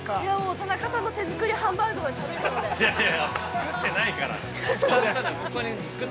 ◆田中さんの手作りハンバーグを食べられて。